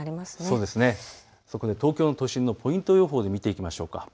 そこで東京都心のポイント予報で見ていきましょう。